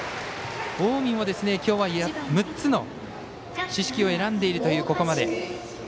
近江も今日は、６つの四死球を選んでいるというここまで。